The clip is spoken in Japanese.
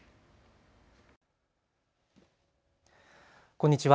こんにちは。